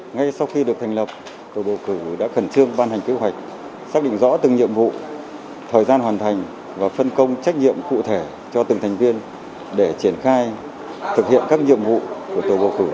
ngay sau khi được thành lập tổ bầu cử đã khẩn trương ban hành kế hoạch xác định rõ từng nhiệm vụ thời gian hoàn thành và phân công trách nhiệm cụ thể cho từng thành viên để triển khai thực hiện các nhiệm vụ của tổ bầu cử